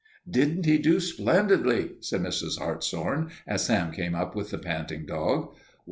"Didn't he do splendidly?" said Mrs. Hartshorn as Sam came up with the panting dog.